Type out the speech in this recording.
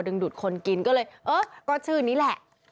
ดูดคนกินก็เลยเออก็ชื่อนี้แหละ